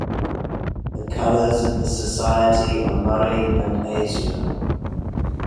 The colors of the society are murrey and azure.